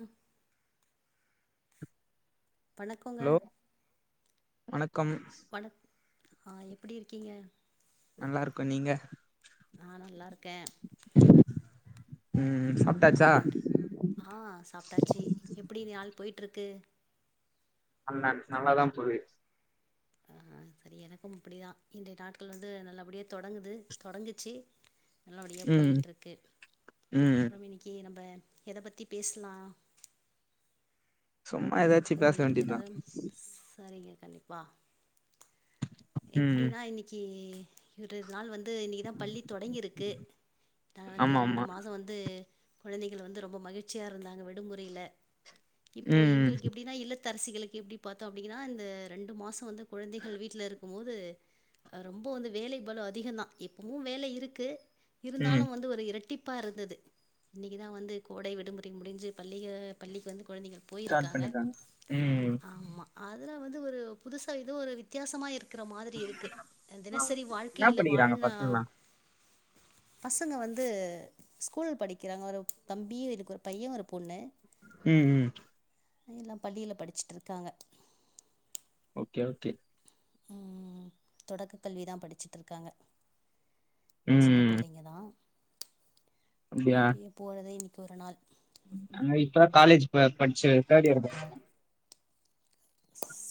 உ பணக்கோங்க வணக் க்கம் ஆஹ் எப்புடி இருக்கீங்க நல்லா இருக்கோ நீங்க நா நல்லா இருக்கே உம் சப் ஆஹ் சாப்ட்டாச்சு எப்பிடி ஆள் போய்ட்டுருக்கு நல்ல நல்லாதா போது ஆஹ் சரி எனக்கும் இப்படியேதா இன்றைய கால்கள் வந்து நல்லப்டியே தொடங்குது தொடங்கிச்சு நல்லபடியா ம் போயிட்டருக்கு ம் அப்புறோ இன்னிக்கி நம்ப எதை பத்தி பேசலாம் சும்மா ஏதாச்சு பேச வேண்டியது தா கண்டிப்பா ம் எப்பிடின்னா இன்னிக்கி இருவ் நாள் வந் வந்து இன்னிக்குதா பள்ளி தொடங்கிருக்கு நா வந்து ஆமா ரெண்டு ஆமா மாசோ வந்து கொழந்தைகள் வந்து ரொம்ப மகிழ்ச்சியா இருந்தாங்க விடுமுறையில இப்போ ம் எங்களுக்கு எப்புடின்னா இல் லத்தரசிகளுக்கு எப்புடி பாத்தோ அப்டின்னா இந்த ரெண்டு மாசோ வந்து கொழந்தைகள் வீட்ல இருக் ருக்கும் போது ரொம்ப வந்து வேலை பலம் அதிகம் தா இப்பவு வேலை இருக்கு ம் இருந்தாலு வந்து ஒரு இரட்டிப் ப்பா இருந்தது இன்னிக்குதா வந்து கோடை விடுமுறை முடிஞ்சு பள்ளிக பள்ளிக்கு வந்து கொழந்திங்க ஸ்டார்ட் போயிருக்காங்க பண்ணிட்டாங்க ம் ஆமா அதுல வந்து ஒரு புதுசா இது ஒரு வித்தியாசமா இருக்கு இருக்கிற மாதிரி இருக்கு ஆ தினசரி வாழ்க்கை என்ன இல்ல படிக்கிறாங்க வாழ்ன பசங்கலா பசங்க வந்து ஸ்கூல் படிக்கிறாங்க ஒரு தம்பி இருக்கு ஒரு பையன் ஒரு பொண்ணு ம் ம் எல்லாம் பள்ளியில படிச்சிட்டு இருக்காங்க ஓகே ஓகே ம் தொடக்க கல்விதா படிச்சிட்டு இருக்காங்க சின்ன ம் பிள்ளைங்க தா அப்டியா அப்பிடியே போறதே இல் ஒரு நாள் இப்ப காலேஜ் இப்ப படிச்சு தேட் இயர்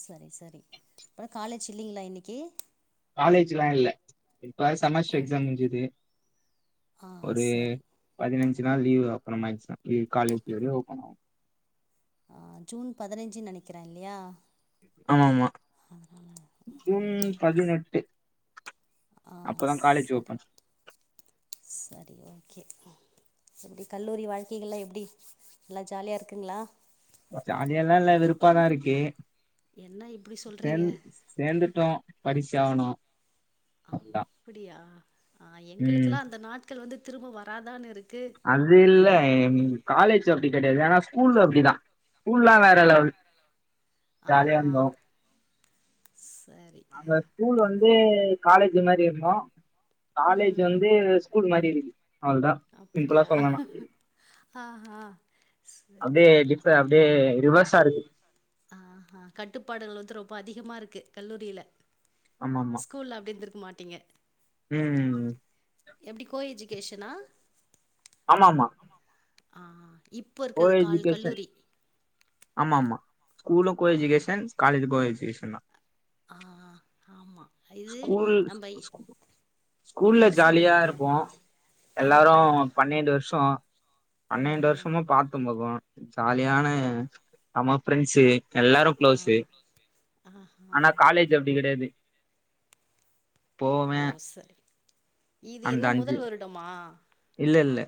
செரி செரி அப்பறம் காலேஜ் இல்லைங்களா இன்னைக்கு காலேஜ்லா இல்ல இப்ப தா ஓ! செமஸ்டர் எக்ஸாம் முடிஞ்சுது ஆ ஒரு சரி. பதினஞ்சு அஞ்சு நாள் லீ்வு அப்பற மேக்ஸிமம் லீ காலேஜ் டேல ஓப்பன்னாவு ஆ ஜூன் பதினைஞ்சு நெனைக்கிறே இல்லையா ஆமாமா ஆ ஜூன் பதினெட்டு ஆ அப்பதா காலேஜ் செரி ஓப்பன் செரி ஓகே எப்டி கல்லூரி வாழ்க்கைகள்லாம் எப்டி நல்லா ஜாலியா இருக்குங்ளா அதையெல்லா இல்ல வெருப்பாதா இருக்கு என்ன இப்டி சொல்றீங்க ட்டு படிச்சு ஆவுனு அப்டியா ஆ ம் எங்களுக்கெல்லா அந்த நாட்கள் வந்து திரும்ப வராதான்னு இருக் அது இல்ல என் காலேஜ் லேஜ்ல அப்டி கிடையாது ஆனா ஸ்கூல் அப்டிதா ஸ்கூல்லா ஆ வேற லெவல் ஜாலியா ஆஹா இருந்தோ சரி நாங்க ஸ்கூல்ல வந்து வந்து காலேஜ் மாரி இர்ந்தோ காலேஜ் ம் வந்து ஸ் ஸ்கூல் மாரி இருக்குது அவ்ளதா சிம்பிளா அப்படியா சொல்லனா ஆஹா சரி சரி அப்டியே அப்டியே ரிவர்ஸ் [unintelligible] ஆ ஹா கட்டுப்பாடுகள் வந்து ரொம்ப அதிகமா இருக்கு கல்லூரில ஆமா ஆமா ஸ்கூல்ல அப்டி இருந்திருக்கு மாட்டீங்க ம் எப்டி கோயெச்சு பேசனா ஆமாமா ஆஹ் கோ எஜூகேஷன் ஆமா ஆமா ஸ்கூலும் கோ ஆ எஜுகேஷன் காலேஜும் கோ எஜுகேஷன் இஸ் இண்ணா ஆஹ் ஹ ஆமா இது ஸ்கூல் நம்ப ஸ்கூல்ல சொல்லுங்க ஜாலியா இருப்போ ஆ எல்லாரு பண்ணிண்டு வருஷம் ஆ பன்னிரண்டு வருஷமும் ஆ பாத்து முகம் ஜாலியான நம்ம பிரெண்ட்ஸ்ஸு எல்லாரும் ஆ க்ளோசு ஆஹா ஆனா காலேஜ் அ இடது ஓ சரி இது அந்த என்ன அஞ்சு முதல் வருடமா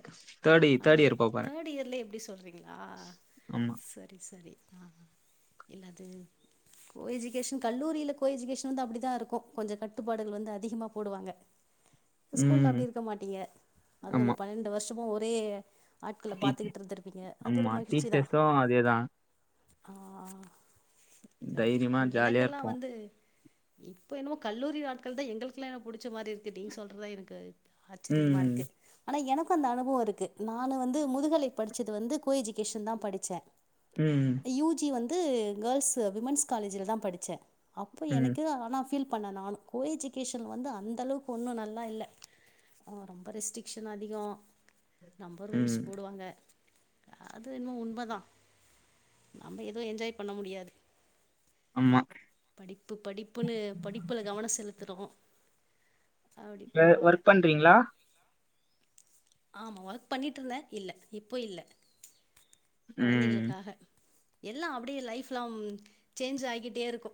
[inaudible] தேர்ட் ம் இயர் போப்போறே தேர்ட் இயர்ல இப்டி சொல்றீங்களா ஆமா சரி சரி ஆஹ் என்னது கோ எஜுகேஷன் கல்லூரியில கோ எஜுகேஷன் வந்து அப்படிதான் இருக்கு கொஞ்ச கட்டுப்பாடுகள் வந்து அதிகமா போடுவாங்க ஸ்கூல்ல ம் அப்படி இருக்க மாட்டீங்க அது ஒரு ஆமா பன்ரெண்டு வருஷம் [unintelligible] ஐயைய ஆட்கள டீ பாத்துகிட்டு இருந்தருப்பீங்க அது ஒரு ஆமா மகிழ்ச்சி தான் டீச்சர்ஸு அதேதா ஆஹ் சரி தைரியமா ஜாலியா எனக்கெல்லாம் இருப்போ வந்து இப்ப என்னமோ கல்லூரி வாழ்க்கை தான் எங்களுக்குல்லாம் எனன புடிச்ச மாதிரி இருக்கு நீ சொல்றதான் எனக்கு ஆச்சரியமா ம் இருக்கு ஆனா எனக்கு ப்ப அந்த அனுபவம் இருக்கு நானு வந்து முதுகலை படிச்சது வந்து கோ எஜூகேஷன் தான் படிச்சேன் ம் யூ ஜி வந்து வந்து கேர்ள்ஸ் விமன்ஸ் காலேஜ்ல தான் படிச்சேன் அப்ப ம் எனக்கு ஆனா பீல் அப்போ நானு கோ எஜுகேஷன் வந்து அந்த அளவுக்கு ஒன்னு நல்லா இல்லை ரொம்ப ரெஸ்ட்ரிக்க்ஷன் அதிகம் நம்ப ரூல்ஸ் ம் போடுவாங்க அது என்மோ உண்மைதான் நம்ம எதுவும் என்ஜாய் பண்ண முடியாது ஆமா படிப்பு படிப்புன்னு படிப்புல கவன செலுத்துனோ வேர் ஒர்க் பண்றீங்ளா ஆம் ஒர்க் பண்ணிட்டு இருந்த இல்ல இப்ப இல்ல ம் கொழந்தைளுக்காக எல்லா அப்படியே லைஃப்லாங் சேஞ்ச் ஆகிட்டே இருக்கூ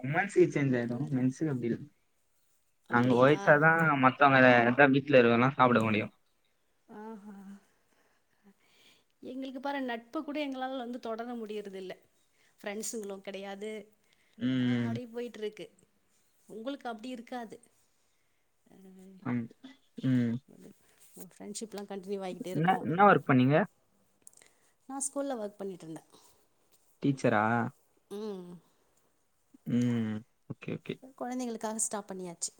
உம் மன்ஸு சேஞ்ச் ஆயரு கல்லூரி மென்ஸுக்கு அப்படி இல நாங்க அப்படியா ஓலச்சாதான் மத்தவங்கலே [unintelligible] வீட்டல இருக்கெல்லா சாப்பட முடியு ஆஹஹா எங்களுக்கு பாற நட்பு கூட எங்களால வந்து தொடர முடியறது இல்ல ஃப்ரெண்ஸுங்களும் கிடையாது ஆஹ் ம் அடே போயிட்டு இருக்கு உங்களுக்கு அப்டி இருக்காது ஆம் உம் ஃரண்ட்ஷிப்லங் என்ன என்ன ஒர்க் பண்ணீங்க நான் ஸ்கூல்ல ஒர்க் பண்ணிட்டு இருந்தே டீச்சரா உம் உம் கொழந்தைகளுக் கா ஸ்டாப் பண்ணியாச்சு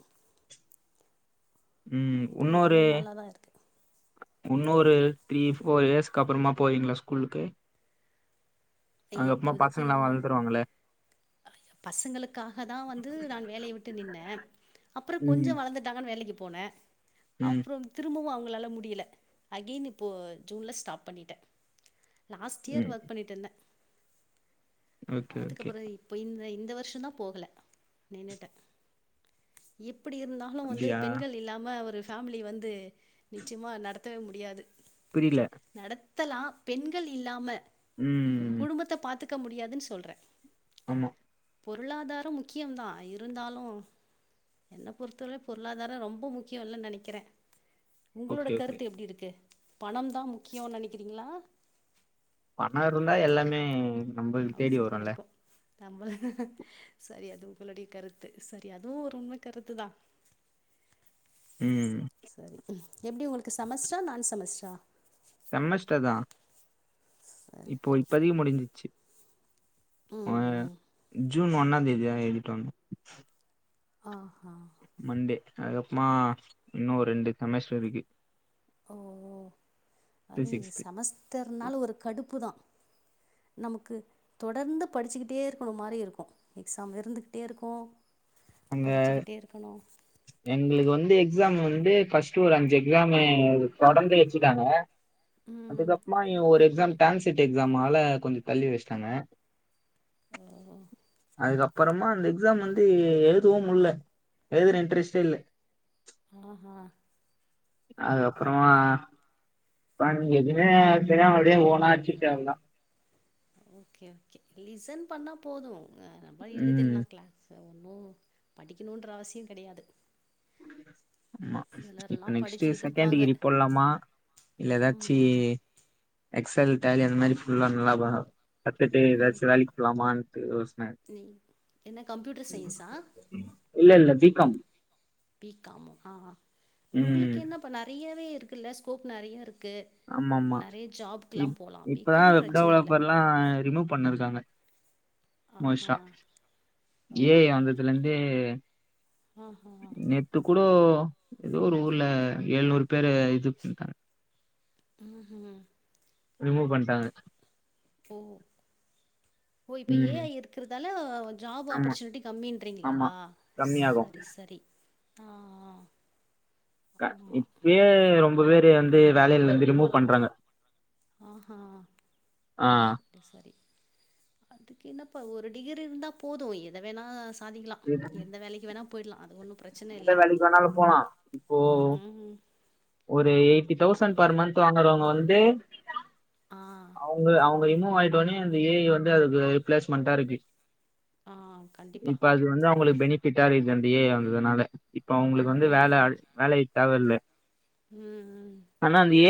உம் ஓகே இதுவு உன்னொரு நல்லா தா இருக்கு உன்னொரு த்ரீ போஃபர் இயர்ஸ்கு அப்புறோமா போவீங்களா ஸ்கூலுக்கு அதுக்கபொர பசங்க இப்போதைக்கு எல்லாம் வாழந்துருவாங்கள பசங்களுக்காக தான் வந்து நான் வேலைய விட்டு நின்னே அப்புறோ கொஞ்ச ம் வளந்துட்டாங்கன வேலைக்கு பொன ம் அப்புறோ திரும்பவு அவ்ங் உங்லால முடியல அகென் இப்போ ஜூன்ல ஸ்டாப் பண்ணிட்டே லாஸ்ட் இயர் ம் ஒர்க் பண்ணிட்டு இருந்தேன் ஓகே ஓகே அதுக்கப்றோ இப்ப இந்த இந்த வர்ஷோ தான போகல நின்னுட்டே இப்ப எப்டி இருந்தாலு வந்து அப்டியா பெண்கள் இல்லாம ஒரு ஃபேமிலி வந்து நிச்சயமா நடத்தவே முடியாது புரியில த்தலா பெண்கள் இல்லாம ம் க்க முடியாது ச் சொல்றே ஆமா பொருளாதாரம் முக்கியம் தா இருந்தாலு என்ன பொறுத்த வர பொருளாதாரோ ரொம்போ முக்கிய இல்லன் நெனைக்கிறே உங்களோட ஓகே ஓகே கருத்து எப்படி இருக்கு பணம் தா முக்கியோன் நெனைக்கிறீங்களா பண இருந்தா எல்லாமே நம்மளுக்கு ஆ தேடி சரியா வருல்ல ருக்கு நம்ப சரி அதுவு உங்களுடைய கருத்து சரி அதுவு ஒரு உண்ம கருத்து தா ம் சரி சரி எப்டி உங்களுக்கு செமஸ்ட்ரா நான் செமஸ்ட்ரா செமஷ்டர்தா இப்போ இப்பதிக் முடிஞ்சிச்சு ஆ ம் ம். ஜூன் ஒன்னா தேதியா எழுதிட் வந்தோ அ ஹா மண்டே அதுக்கப்பமா இன்னு ரெண்டு செமேஸ்ட்ரிக்கு ஓ ஓ அது சிக்ஸ்த்து செமஸ்டர்னாலு ஒரு கடுப்புதா நமக்கு தொடர்ந்து படிச்சிக்கிட்டே ருக்கணு மாரி இருக்கு எக்ஸாம் இருந்துகிட்டே இருக்கு அங்க எங்களுக்கு வந்து எக்ஸாம் வந்து ஃபஸ்டு ஒரு அஞ்சு எக்ஸாமு தொடர்ந்து வச்சிட்டாங்க ம் அதுக்கப்பமா ஒரு எக்ஸாம் கான்சட் எக்ஸாம் ஆல கொஞ்சோ தள்ளி வச்ட்டாங்க ஓ கோ அதுக்கப்பறமா அந்த எக்ஸாம் வந்து எழு அதுவு உள்ள எழுதுற இன்ட்ரெஸ்ட்டே இல்ல ஆஹா அதுக்கப்புறமா இப்ப நீங்க எதுமே தெரியாம அப்படியே ஓனா ஆடுச்சுட்டு வந்தோ ஓகே ஓகே லிசன் பண்ணா போது ஆ ரெம்ப ம் எழுதிட்லா கிளாஸ் ஒன்னு படிக்கணுன்ற அவசிய கெடையாது ஆமா இப்ப நெக்ஸ்ட்டு படிச்சுக்கிட்டு செகண்ட் இருப்பாங்க டிகிரி போலாமா இல்ல ம் ஏதாச்சி ம் எக்ஸல் டேலி அந்த மாரி ஃபுல்லா நல்லா ப கத்துட்டு ஏதாச்சு வேலக்கு போலாமா த்ரி ரோஸ் நீ என்ன கம்ப்யூடர் சயின்ஸா இல்ல இல்ல பீ காம் பீ காம் ஆ ம் உங்களுக்கு என்னப்ப நெறையவே ருக்குல்ல ஸ்கோப் நெறைய இருக்கு ஆமாமா இ போகலாம் இப்பதான் பிகாம் பிரச்சனை இல்லை வெப்டெவலப்பர்ல்லா ரிமூவ் பண்ணிருக்காங்க [unintelligible] ஏ ஐ வந்ததுல இருந்தே ஆஹா! நேத்து கூடோ ஏதோ ஒரு ஊர்ல ஏழுநூறு பேரு இது பண்ட்டாங்க ம்ஹும் ரிமூவ் பண்ணட்டாங்க ஓ ஓ இப்ப ஏ ம் ஐ இருக்கறதால ஜாப் ஆமா ஆப்பர்ச்சுனிட்டி கம்மீன்ரிங்ளா ஆமா கம்மியாகு சரி சரி ஆ ஆ த ஆமா. இப்பயே ரொம்ப [unintelligible] வந்து வேலையில இருந்து ரிமூவ் பண்றாங்க ஆஹா ஆ சரி சரி அதுக்கு என்னப்ப ஒரு டிகிரி இருந்தா போது எத வேணா சாதிக்கலா எந்த வேலைக்கு வேணா போ போயிட்லா அது ஒன்னும் எந்த வேலைக்கு வேணாலும் போலா இப்போ ம். ஒரு eighty thousand per month வாங்கறவங்க வந்து ஆ, அவுங்க அவுங்க ப்ப ரிமூவ் ஆயிட்டோனே இந்த ஏ ஐ வந்து அதுக்கு ரீப்ளேஸ்மெண்ட்டா இருக்கு ஆ. கண்டிப்பா. இப்ப அது வந்தா உங்களுக்கு பெனிபிட்டா [unintelligible] வந்ததுனால இப்ப அவங்களுக்கு வந்து வேல [unintelligible] வேலை தேவல உம்ம்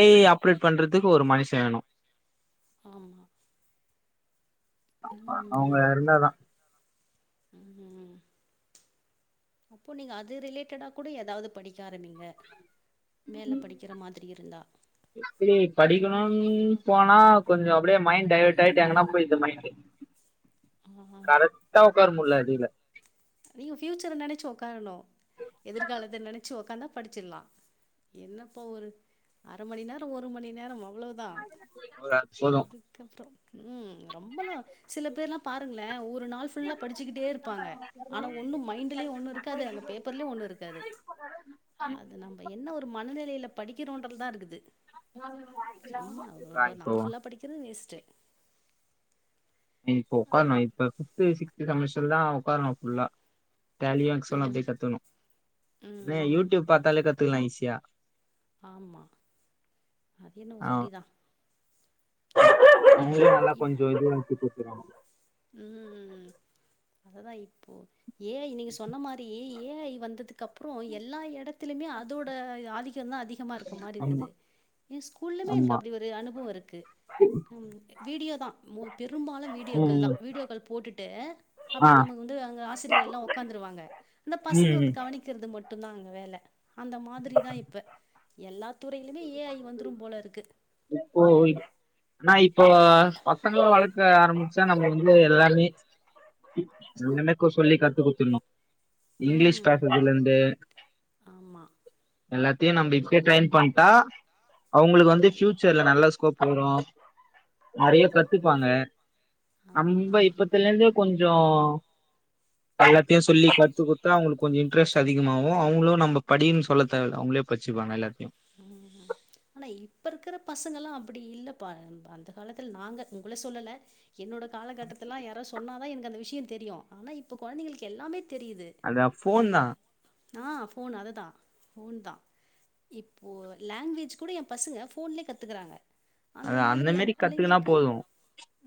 ஏ ஐ ஆப்ரேட் பண்றதுக்கு ஒரு மனுஷன் வேணும் ஆமா அ அவுங்க இருந்தாதான் ஆமா. ம். ம். அப்போ நீங்க அது ரிலேட்டடா கூட ஏதாவது படிக்க ஆரம்பிங்க மேல படிக்கிற மாதிரி இருந்தா ப்படி அதுவு நல்ல படிக்கணுனு பயணம் போனா கொஞ்சம் அப்டியே மைண்ட் டைவர்ட் ஆயிட்டு எங்கன்னா ஆ [unintelligible] [unintelligible] உட்கார முடியல அடில நீங்க ஃபியூச்சர நெனச்சு உக்காரணும் எதிர்காலத்த நெனச்சு ஒ க்காந்த படிச்சிடலாம் என்னப்ப ஒரு ரு அரைமணி நேரம் ஒரு மணி நேரம் அவ்ளோ தான் போது அதுக்கப்புறம் ம் ரொம்பெல்லாம் சில பேர்லாம் பாருங்களேன் ஒ ரு நாள் ஃபுல்லா படிச்சுக்கிட்டே இருப்பாங்க ஆனா ஒன்னும் மைண்ட்லயும் ஒன்னும் இருக்காது அங்க பேப்பர்லயும் ஒன்னும் இருக்காது அது நம்ப என்ன ஒரு மனநிலையில படிக்கிறோன்றது தான் இருக்குது சும்மா அவ இப்போ நாள் ஃபுல்லா படிக்கிறது வேஸ்ட்டு நீ இப்ப உக்காரணும் இப்ப ஃபிஃப்த் சிஸ் த் செமஸ்டர்ல உக்காரணும் ஃபுல்லா டேலியும் எக்செல்லுலும் ம் அப்டியே கத்துணும் ம் ஏ ம் யூடியூப் பாத்தாலே கத் த்துகலாம் ஈசியா ஆமா அது என்னவோ சரிதான் [inaudible] உங்களுக் நல்லா கொஞ்சம் இது [unintelligible] [inaudible] ம்உம் அதுதான் இப் ஏ ஐ நீங்க சொன்ன மாரி ஏய் ஏ ஐ வந்ததுக்கு அப்புறம் எல்லா எடத் தலுமே அதோட ஆதி க்கம் தான் அதிகமாக இருக்க மாரி ஆமா இருக்குது என் ஸ்கூல்லுமே எனக்கு ஆமா அப்டி ஒரு அனுபவம் இருக்கு வீடியோ தான் பெரும்பாலும் ம் வீடியோக்கள் ம் தான் வீடியோக்கள் போட்டுட்டு ஆ அப்டி நமக்கு வந்து அங்க ஆசிரியர் எல்லாம் உக்காந்துருவாங்க அந்த பசங்க ம் வந்து ம் கவனிக்கிறது மட் டும் தான் அங்க வேல அந்த மாதிரி தான் இப்ப எல்லா துறையிலுமே ஏ ஐ வந்துரும் போலருக்கு நா இப்போ பசங்கள வளக்க ஆரம் பிச்சா நம்ம வந்து எல்லாமே நமக்கு சொல்லி கத்து குடுத்தனும் இங்கிலீஷ் ம். பேசதுலிருந்து ஆமா. எல்லத்தையும் நம்ப இப்பயே ட்ரைன் பண் டா அவுங்களுக்கு வந்து கண்டிப்பா. பஃயூச்சர்ல நல்ல ஸ்கோப் அப்புறோ நெறைய ஆமா. கத்துப்பாங்க நம்ப ஆ. இப்பத்துலருந்து கொஞ்சோ எல்லாத்தையு சொல்லி கத்து குடுத்தா அவங்களுக்கு கொஞ்ச இட்ரெஸ்ட் அதிகமாவவு அவங்களு நம்ம படின்னு சொல்ல தேவயில்ல அவங்களே பட்ச்சிபாங்க எல்லாத்தையு உஹம் ஆனா இப்ப இருக்கிற பசங்க எல்லா அப்படி இல்லப்ப அந்த காலத்துல நாங்க உங்கள சொல்லல என்னோட காலகட்டத்தலா யார சொன்னா தா எனக்கு அந்த விஷ்ய தெரியு ஆனா இப்ப குழந்தைளுக்கு எல்லாமே தெரியிது அதா ஃபோன் ஒரு தா ஆ ஃபோனு அதுதா ஃபோன் தா இப்போ லாங்குவேஜ் கூட என் பசுங்க ஃபோன்லயே கத்துக்கறாங்க அ அந்த மேரி கத்துக்கனா போது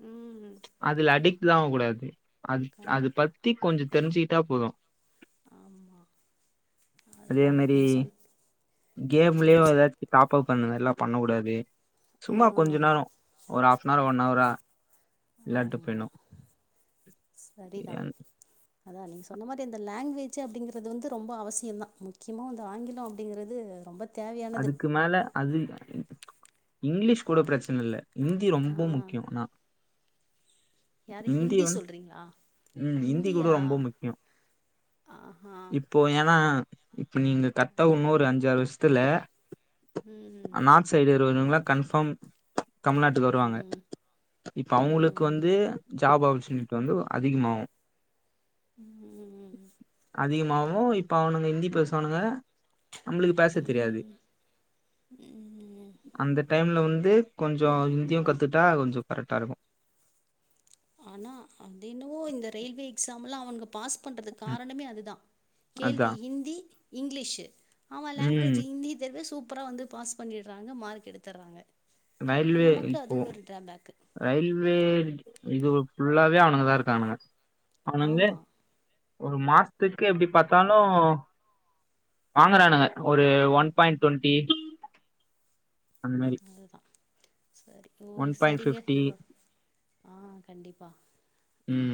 ம் அதுல அடிக் ட்டாவக்கூடாது அது அது கண்டிப்பா பத்தி கொஞ்ச தெரிஞ்சிட்டா போது ஆமா அதே அதுதா மாரி நீங் சொ கேம்லயு ஏதாச்சு பாப்பா பண்ணுவே எல்லா பண்ண கூடாது ஆ சும்மா கொஞ்ச நேரோ ஒரு ஹாப்னார் ஒ ன் அவரா வில்லாட்டு ஆமா போய்னு சரிதா ஏன் அதா நீங்க சொன்ன மாரி அந்த லாங்குவேஜ் அப்படிங்கிறது வந்து ரொம்ப அவசியம் தா முக்கியமா அந்த ஆங்கிலம் அப்படிங்கிறது ரொம்ப தேவையானது அதுக்கு மேல அது இங்கிலீஷ் கூட பிரச்சன இல்ல இந்தி ஆ ரொம்ப முக்கியோ ஆனா யாரு இந்தி ஹிந்தி உம் சொல்றீங்களா இந்தி கூட ஹிந்தியா ரொம்ப முக்கியோ ஆஹா இப்போ ஏனா இப்ப நீங்க கர்ட்டா இன்னொரு அஞ்சாறு வருஷ் த்துல உம் ம் இவ இவங்கல்ல கன்பார்ம் தமிழ்நாட்டுக்கு வருவாங்க ம் இப்ப அவங்களுக்கு ம் வந்து ஜாப் ஆப்பர் சுனிட்டு வந்து அதிகமாவு உம் அதிகமாகவொ இப்ப அவனுங்க ஹிந்தி பேசுவனுுங்க நம்மளுக்கு பேச தெரியாது அந்த டைம்ல வந்து கொஞ்சம் இந்தியும் கத்துட்டா கொஞ்சம் கரெக்டா இருக்கும் ஆனா அது என்னவோ இந்த ரயில்வே எக்ஸாமுலா அவங்க பாஸ் பண்றதுக் ம் காரணமே அதுதா அதா கேள்வி ஹிந்தி இங்லிஷு ஆமா ம் லாங்வேஜ்ஜு ஹிந்தி தெர்வே சூப் அப்ற வந்து பாஸ் பண்ணிற்றாங்க மார்க் எடுத்துர்றாங்க நயில்வே இப்போ ரயில்வே இதுவு ஃபுல்லாவே அவனுங்கதா இருக்கானுங்க அவனுங்தே ஆமா ஒரு மாஸ்த்துக்கு எப்டி பாத்தாலு வாங்கறானுங்க ஒரு ஒன் பாயிண்ட் டுவெண்ட்டி மாரி நல்லத்தா செரி ஓ ஒன் பாயிண்ட் செரிங்க ஃபிப்டி இவ்ளோ ஆஹ் கண்டிப்பா உம்